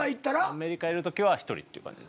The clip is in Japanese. アメリカいるときは１人っていう感じです。